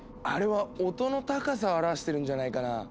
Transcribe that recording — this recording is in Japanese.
あれは音の高さを表してるんじゃないかな？